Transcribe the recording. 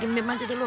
gini mancing dulu